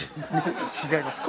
違います。